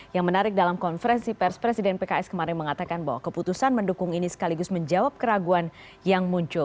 yang menarik dalam konferensi pers presiden pks kemarin mengatakan bahwa keputusan mendukung ini sekaligus menjawab keraguan yang muncul